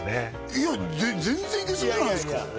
いや全然いけそうじゃないですかいや